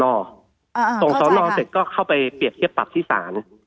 ส่งสอนอเสร็จก็เข้าไปเปรียบเทียบปรับที่ศาล